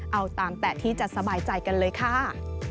เอาตามแต่ที่จะสบายใจกันเลยค่ะ